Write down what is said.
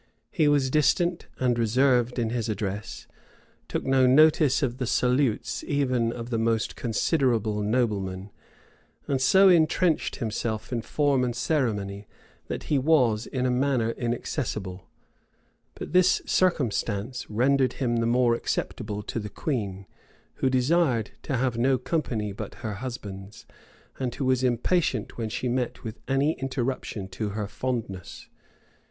He was distant and reserved in his address; took no notice of the salutes even of the most considerable noblemen; and so intrenched himself in form and ceremony that he was in a manner inaccessible:[] but this circumstance rendered him the more acceptable to the queen, who desired to have no company but her husband's, and who was impatient when she met with any interruption to her fondness.